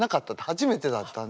初めてだったんで。